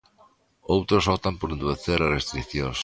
Outros optan por endurecer as restricións.